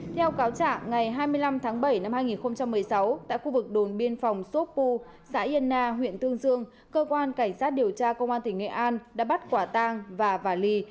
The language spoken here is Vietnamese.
theo cáo trả ngày hai mươi năm tháng bảy năm hai nghìn một mươi sáu tại khu vực đồn biên phòng sốt pu xã yên na huyện tương dương cơ quan cảnh sát điều tra công an tỉnh nghệ an đã bắt quả tang và vả lì